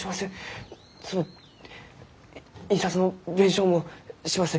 その印刷の弁償もします。